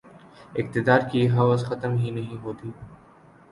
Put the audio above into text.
اقتدار کی ہوس ختم ہی نہیں ہوتی